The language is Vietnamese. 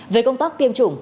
về công tác tiêm chủng